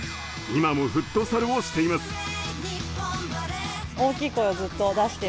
今もフットサルをしています。